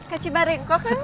ke cibarengko kan